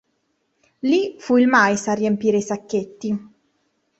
Lì fu il mais a riempire i sacchetti.